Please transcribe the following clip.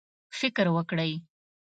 فکر وکړئ